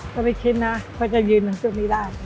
ก็ไม่คิดนะว่าจะยืนตรงจุดนี้ได้